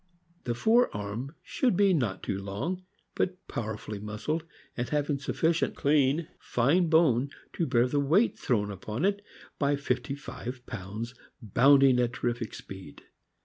The fore arm should be not too long, but powerfully muscled, and having sufficient clean, fine bone to bear the weight thrown upon it by fifty five pounds bounding at terrific speed.